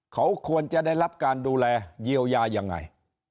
เขาควรจะได้รับการดูแลเยียวยายังไง